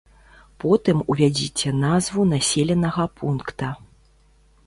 Потым увядзіце назву населенага пункта.